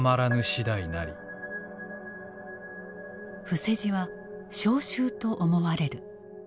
伏せ字は召集と思われる。